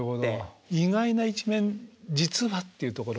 意外な一面実はっていうところに。